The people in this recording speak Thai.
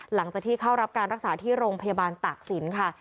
หลังจากที่เข้ารับการรักษาที่โรงพยาบาลตากศิลป์ค่ะ